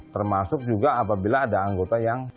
termasuk juga apabila ada anggota yang